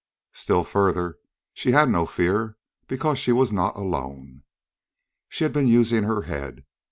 Still further, she had no fear, because she was not alone. She had been using her head.